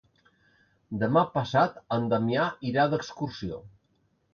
Demà passat en Damià irà d'excursió.